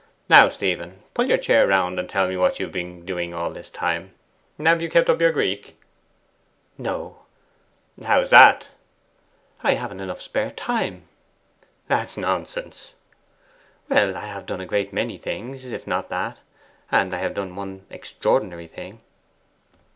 Now, Stephen, pull your chair round, and tell me what you have been doing all this time. Have you kept up your Greek?' 'No.' 'How's that?' 'I haven't enough spare time.' 'That's nonsense.' 'Well, I have done a great many things, if not that. And I have done one extraordinary thing.